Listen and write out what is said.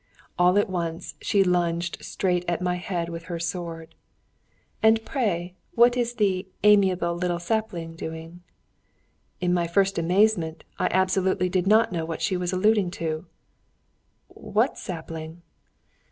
All at once she lunged straight at my head with her sword. "And pray what is the amiable little sapling doing?" In my first amazement I absolutely did not know what she was alluding to. "What sapling?"